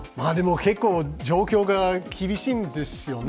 結構状況が厳しいんですよね。